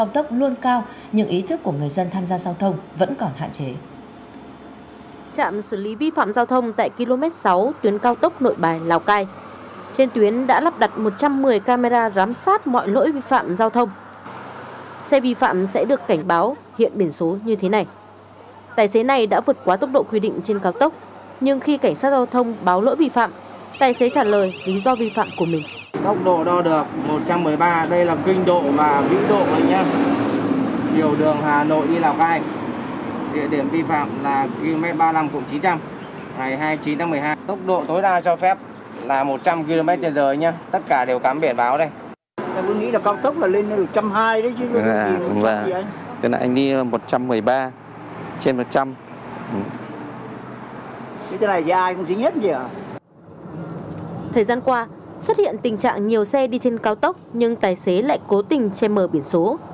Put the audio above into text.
thời gian qua xuất hiện tình trạng nhiều xe đi trên cao tốc nhưng tài xế lại cố tình che mờ biển số